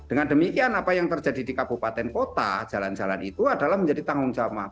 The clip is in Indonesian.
dengan demikian apa yang terjadi di kabupaten kota jalan jalan itu adalah menjadi tanggung jawab